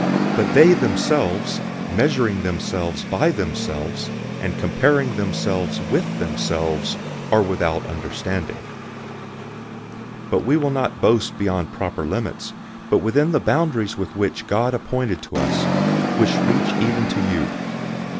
But they themselves, measuring themselves by themselves, and comparing themselves with themselves, are without understanding. 010:013 But we will not boast beyond proper limits, but within the boundaries with which God appointed to us, which reach even to you.